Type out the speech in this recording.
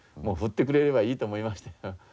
もう振ってくれればいいと思いましたよ。